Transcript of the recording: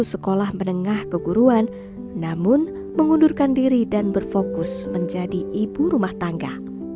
sekolah menengah keguruan namun mengundurkan diri dan berfokus menjadi ibu rumah tangga